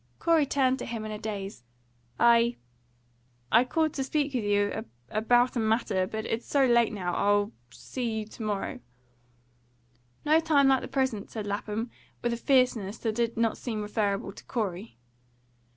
Corey turned to him in a daze. "I I called to speak with you about a matter But it's so late now. I'll I'll see you to morrow." "No time like the present," said Lapham, with a fierceness that did not seem referable to Corey.